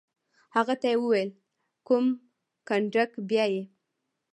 هغه ته یې وویل: کوم کنډک؟ بیا یې.